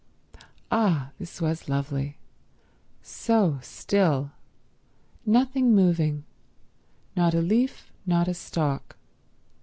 Ah, this was lovely. So still. Nothing moving—not a leaf, not a stalk.